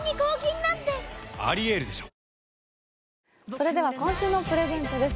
それでは今週のプレゼントです